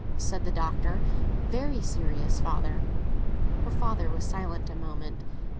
said the Doctor. "Very serious, father." Her father was silent a moment. "Mr.